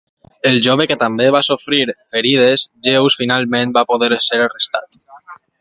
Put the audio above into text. El jove, que també va sofrir ferides lleus, finalment va poder ser arrestat.